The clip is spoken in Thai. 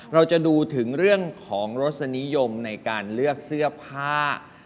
เราจะดูถึงเรื่องของรสนิยมในการเลือกเสื้อผ้า